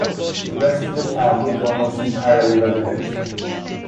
The rest of the town is almost entirely residential.